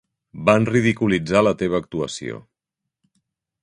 Van ridiculitzar la teva actuació.